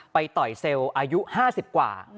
ต่อยเซลล์อายุ๕๐กว่า